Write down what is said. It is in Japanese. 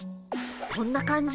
こんな感じ？